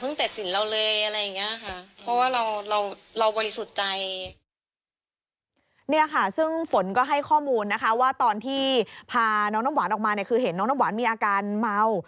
นี่ค่ะซึ่งฝนก็ให้ข้อมูลนะคะว่าตอนที่พาน้องน้ำหวานออกมาเนี่ยคือเห็นน้องน้ำหวานมีอาการเมา